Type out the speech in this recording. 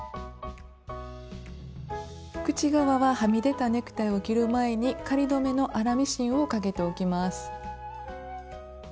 口側ははみ出たネクタイを切る前に仮留めの粗ミシンをかけておきます。